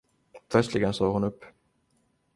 Plötsligen såg hon upp.